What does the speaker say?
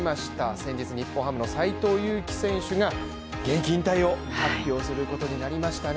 先日日本ハムの斎藤佑樹選手が、現役引退を発表することになりましたね。